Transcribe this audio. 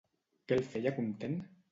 Què el feia content?